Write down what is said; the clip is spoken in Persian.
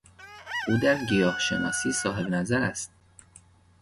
او در گیاهشناسی صاحب نظر است.